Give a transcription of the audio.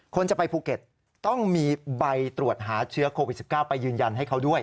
คนจะไปภูเก็ตต้องมีใบตรวจหาเชื้อโควิด๑๙ไปยืนยันให้เขาด้วย